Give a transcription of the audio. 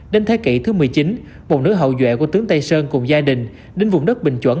đến thế kỷ thứ một mươi chín một nửa hậu duệ của tướng tây sơn cùng gia đình đến vùng đất bình chuẩn